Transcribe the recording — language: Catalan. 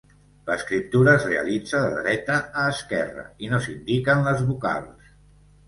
L'escriptura es realitza de dreta a esquerra, i no s'indiquen les vocals.